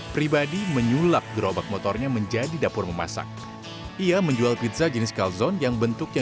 pribadi menyulap gerobak motornya menjadi dapur memasak ia menjual pizza jenis kalzon yang bentuknya